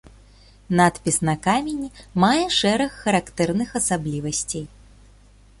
Надпіс на камені мае шэраг характэрных асаблівасцей.